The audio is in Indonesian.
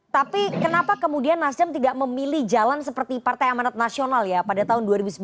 tapi kenapa kemudian nasdem tidak memilih jalan seperti partai amanat nasional ya pada tahun dua ribu sembilan belas